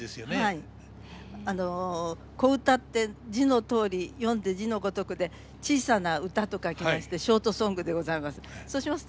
小唄って字のとおり読んで字のごとくで小さな唄と書きましてショートソングでございます。